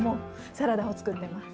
サラダを作ってます。